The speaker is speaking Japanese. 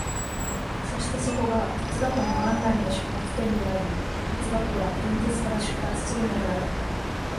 そしてそこが哲学の元来の出発点であり、哲学は現実から出立するのである。